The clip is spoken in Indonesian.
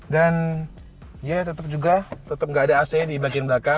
dan ya tetep juga tetep gak ada ac dibagian belakang